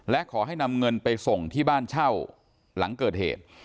และขอให้นำเงินไปส่งที่บ้านเช่าหลังเกิดเหตุ